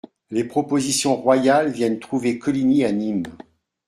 Les propositions royales viennent trouver Coligny à Nîmes.